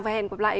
và hẹn gặp lại